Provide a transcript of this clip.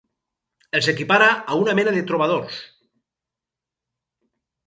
Els equipara a una mena de trobadors.